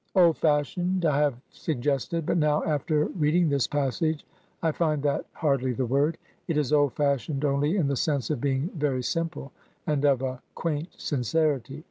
'' Old fashioned, I have suggested ; but now, after read ing this passage, I find that hardly the word. It is old fashioned only in the sense of being very simple, and of a quaint sincerity.